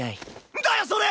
んだよそれ！